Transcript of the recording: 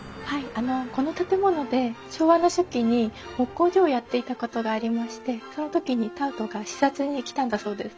あのこの建物で昭和の初期に木工所をやっていたことがありましてその時にタウトが視察に来たんだそうです。